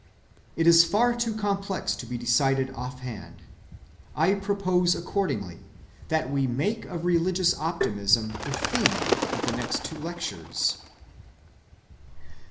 It is far too complex to be decided off‐hand. I propose accordingly that we make of religious optimism the theme of the next two lectures.